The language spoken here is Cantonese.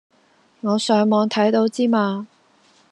我上網睇到之嘛